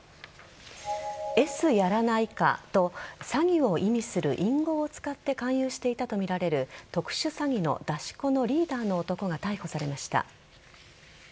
Ｓやらないかと詐欺を意味する隠語を使って勧誘していたとみられる特殊詐欺の出し子のリーダーの男が逮捕されました。